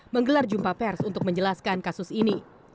menggelar jumpa pers untuk menjelaskan kasus ini